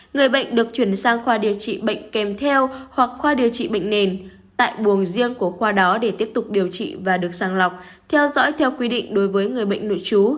người bệnh được chuyển sang khoa điều trị bệnh kèm theo hoặc khoa điều trị bệnh nền tại buồng riêng của khoa đó để tiếp tục điều trị và được sàng lọc theo dõi theo quy định đối với người bệnh nội trú